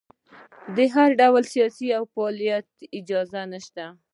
د هر ډول سیاسي فعالیت اجازه نشته.